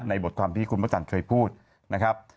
ในบทความที่คุณปั้นจันเคยพูดนะครับ